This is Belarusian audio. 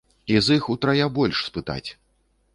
І з іх утрая больш спытаць.